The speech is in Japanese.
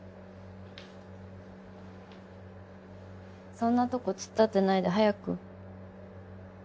そんなとこ突っ立ってないで早く。